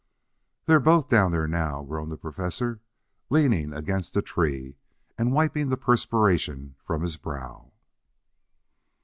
"They're both down there, now," groaned the Professor, leaning against the tree and wiping the perspiration from his brow.